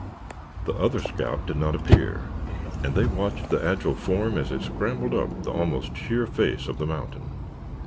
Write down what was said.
The other scout did not appear, and they watched the agile form as it scrambled up the almost sheer face of the mountain.